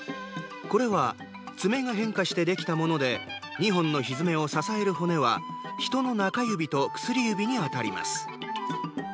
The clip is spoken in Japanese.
これは爪が変化してできたもので２本のひづめを支える骨はヒトの中指と薬指に当たります。